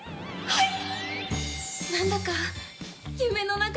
はい！